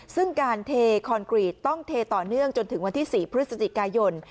ซึ่งการเทคอนกรีตต้องเทต่อเนื่องจนถึงวันที่๔พฤศจิกายน